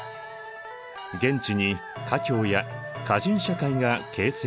現地に華僑や華人社会が形成された。